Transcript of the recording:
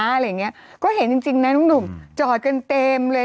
อะไรอย่างนี้ก็เห็นจริงน้องหนุ่มจ่อสหกันเต็มเลย